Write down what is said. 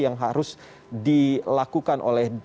yang harus dilakukan oleh